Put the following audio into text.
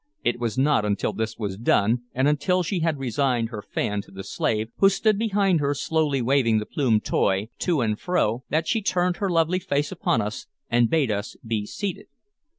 It was not until this was done, and until she had resigned her fan to the slave, who stood behind her slowly waving the plumed toy to and fro, that she turned her lovely face upon us and bade us be seated.